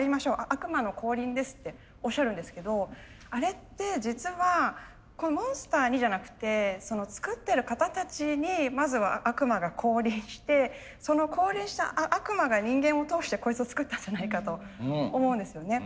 悪魔の降臨です」っておっしゃるんですけどあれって実はモンスターにじゃなくて作ってる方たちにまずは悪魔が降臨してその降臨した悪魔が人間を通してこいつを作ったんじゃないかと思うんですよね。